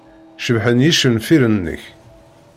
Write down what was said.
Cebḥen yicenfiren-nnek.